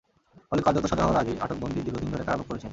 ফলে কার্যত সাজা হওয়ার আগেই আটক বন্দী দীর্ঘদিন ধরে কারাভোগ করেছেন।